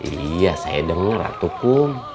iya saya denger ratu kum